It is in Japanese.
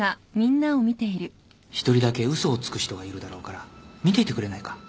１人だけ嘘をつく人がいるだろうから見ていてくれないか？